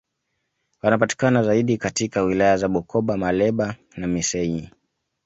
Wanapatikana zaidi katika wilaya za Bukoba Muleba na Missenyi